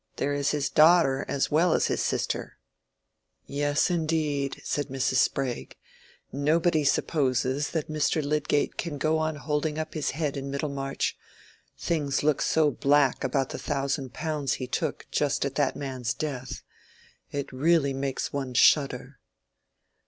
There is his daughter as well as his sister." "Yes, indeed," said Mrs. Sprague. "Nobody supposes that Mr. Lydgate can go on holding up his head in Middlemarch, things look so black about the thousand pounds he took just at that man's death. It really makes one shudder."